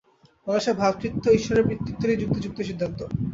মানুষের ভ্রাতৃত্ব ঈশ্বরের পিতৃত্বেরই যুক্তিযুক্ত সিদ্ধান্ত।